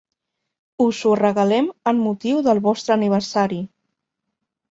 Us ho regalem amb motiu del vostre aniversari.